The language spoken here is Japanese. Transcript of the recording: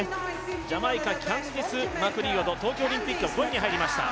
ジャマイカ、キャンディス・マクリオド東京オリンピックは５位に入りました。